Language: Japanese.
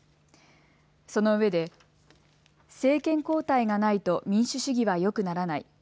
そのうえで政権交代がないと民主主義はよくならない。